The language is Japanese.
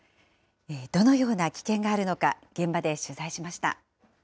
どのような危険があるのか、現場で取材しました。